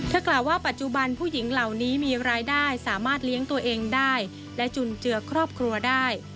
กล่าวว่าปัจจุบันผู้หญิงเหล่านี้มีรายได้สามารถเลี้ยงตัวเองได้และจุนเจือครอบครัวได้